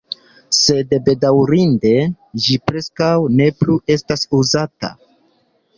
Sed bedaŭrinde, ĝi preskaŭ ne plu estas uzata.